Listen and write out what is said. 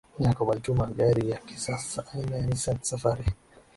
Jacob alitumia gari ya kisasa aina ya Nissani safari